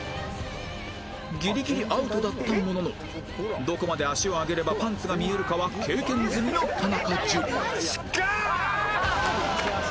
ギリギリアウトだったもののどこまで足を上げればパンツが見えるかは経験済みの田中樹失格！